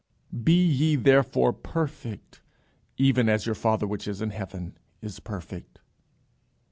Be ye therefore perfect, even as your Father which is in heaven is perfect.